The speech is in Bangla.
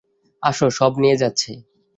আসো, সব নিয়ে যাচ্ছে!